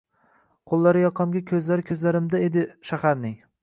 Qo’llari yoqamda ko’zlari ko’zlarimda edi shaharning.